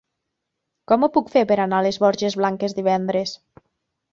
Com ho puc fer per anar a les Borges Blanques divendres?